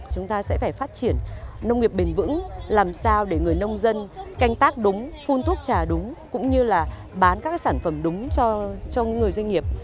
chúng ta sẽ phải phát triển nông nghiệp bền vững làm sao để người nông dân canh tác đúng phun thuốc trà đúng cũng như là bán các sản phẩm đúng cho người doanh nghiệp